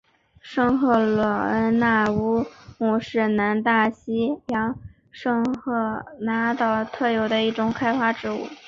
圣赫伦那乌木是南大西洋圣赫勒拿岛特有的一种开花植物。